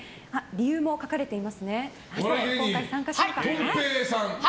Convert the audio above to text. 理由も書かれていますね。